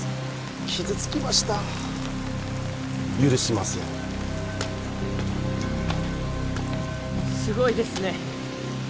傷つきました許しませんすごいですね